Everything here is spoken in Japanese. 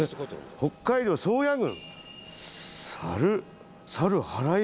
北海道宗谷郡。